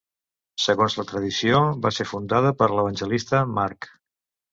Segons la tradició, va ser fundada per l'evangelista Marc.